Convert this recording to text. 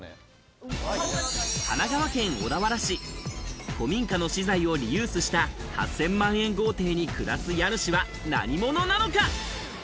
神奈川県小田原市、古民家の資材をリユースした８０００万円豪邸に暮らす家主は何者なのか？